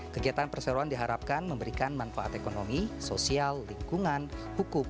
kegiatan perseroan diharapkan memberikan manfaat ekonomi sosial lingkungan hukum